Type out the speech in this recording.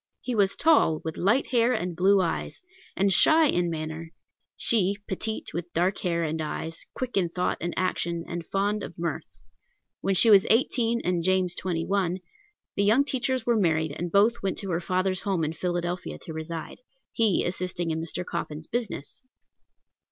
He was tall, with light hair and blue eyes, and shy in manner; she, petite, with dark hair and eyes, quick in thought and action, and fond of mirth. When she was eighteen and James twenty one, the young teachers were married, and both went to her father's home in Philadelphia to reside, he assisting in Mr. Coffin's business.